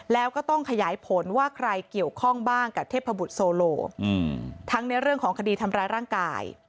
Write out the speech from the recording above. แล้วก็ต้องขยายผลว่าใครเกี่ยวข้องบ้างกับเทพบุตรโซโลทั้งในเรื่องของคดีทำร้ายร่างกาย